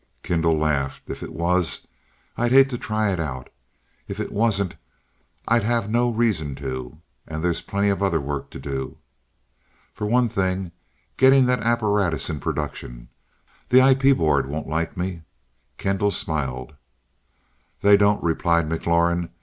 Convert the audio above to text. Kendall laughed. "If it was I'd hate to try it out. If it wasn't I'd have no reason to. And there's plenty of other work to do. For one thing, getting that apparatus in production. The IP board won't like me." Kendall smiled. "They don't," replied McLaurin.